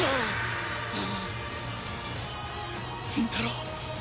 倫太郎。